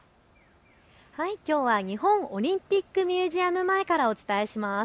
きょうは日本オリンピックミュージアム前からお伝えします。